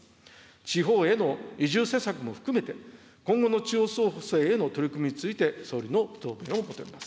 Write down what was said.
地方への移住施策も含めて、今後の地方創生への取り組みについて、総理の答弁を求めます。